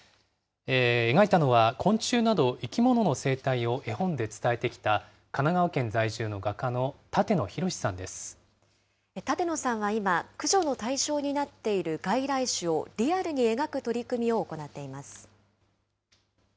描いたのは、昆虫など、生き物の生態を絵本で伝えてきた神奈川県在住の画家の舘野鴻さん舘野さんは今、駆除の対象になっている外来種をリアルに描く取り組みを行っています。